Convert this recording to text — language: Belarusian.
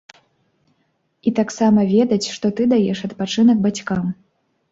І таксама ведаць, што ты даеш адпачынак бацькам.